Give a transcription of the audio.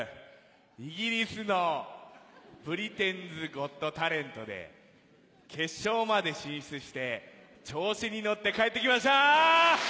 イギリスの『ブリテンズ・ゴット・タレント』で決勝まで進出して調子に乗って帰ってきました！